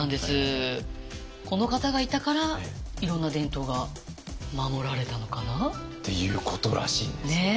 この方がいたからいろんな伝統が守られたのかな？っていうことらしいんですけどね。